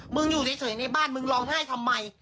อยู่เฉยในบ้านมึงร้องไห้ทำไม